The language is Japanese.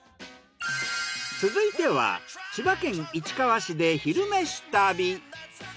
続いては千葉県市川市で「昼めし旅」。